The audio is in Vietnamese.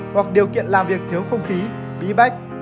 hoặc điều kiện làm việc thiếu không khí bí bách